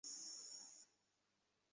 ভালো হবে ভিতরে ঢুকে যাও।